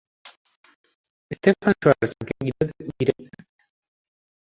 Stefan Schwartz and Ken Girotti directed.